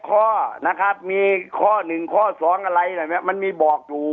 ข้อนะครับมีข้อหนึ่งข้อสองอะไรอะไรมันมีบอกอยู่